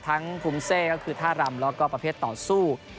คุมเซก็คือท่ารำแล้วก็ประเภทต่อสู้